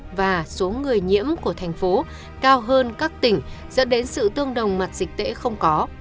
tỷ lệ phủ vaccine và số người nhiễm của thành phố cao hơn các tỉnh dẫn đến sự tương đồng mặt dịch tễ không có